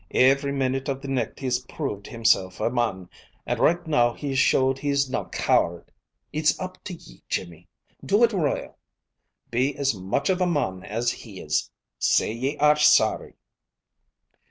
Every minute of the nicht he's proved himself a mon, and right now he's showed he's na coward. It's up to ye, Jimmy. Do it royal. Be as much of a mon as he is. Say ye are sorry!"